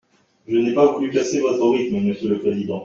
Je n’ai pas voulu casser votre rythme, monsieur le président.